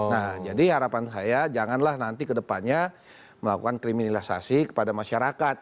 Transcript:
nah jadi harapan saya janganlah nanti kedepannya melakukan kriminalisasi kepada masyarakat